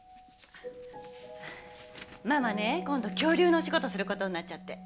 ママね今度恐竜のお仕事することになっちゃって。